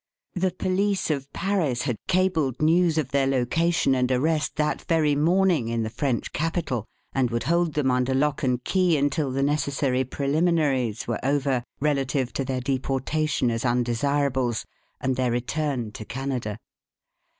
The police of Paris had cabled news of their location and arrest that very morning in the French capital, and would hold them under lock and key until the necessary preliminaries were over, relative to their deportation as undesirables, and their return to Canada.